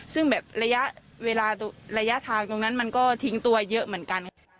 ซึ่งแบบระยะเวลาระยะทางตรงนั้นมันก็ทิ้งตัวเยอะเหมือนกัน